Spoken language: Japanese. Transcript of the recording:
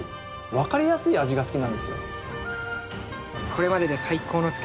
分かりやすい味が好きなんですよ。